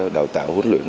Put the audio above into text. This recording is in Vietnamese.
đào tạo huấn luyện